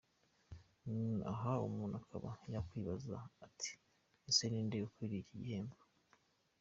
Aha umuntu akaba yakwibaza ati: Ese ni inde ukwiriye iki gihembo?.